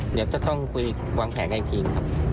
เดี๋ยวจะต้องคุยวางแผงไข้เคียงครับ